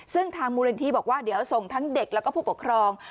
ซึ่งทางมูลนิธิบอกว่าเดี๋ยวส่งทั้งเด็กแล้วก็ผู้ปกครอง